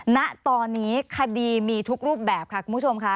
ณตอนนี้คดีมีทุกรูปแบบค่ะคุณผู้ชมค่ะ